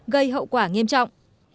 gây hậu quả nghiêm trọng